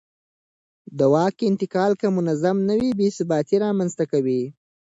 د واک انتقال که منظم نه وي بې ثباتي رامنځته کوي